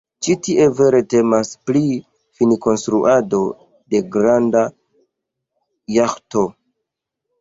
Ĉi tie vere temas pri finkonstruado de granda jaĥto.